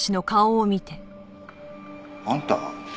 あんた。